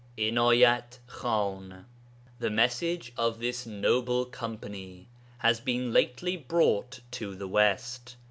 INAYAT KHAN The message of this noble company has been lately brought to the West.